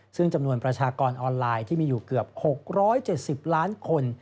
ซึ่งจำนวนประชากรออนไลน์ที่มีอยู่เกือบ๖๗๐ล้านคน